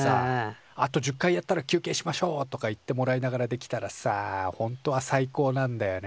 「あと１０回やったら休けいしましょう」とか言ってもらいながらできたらさほんとは最高なんだよね。